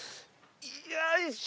よいしょ！